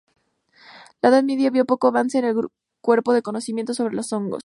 La Edad Media vio poco avance en el cuerpo de conocimiento sobre los hongos.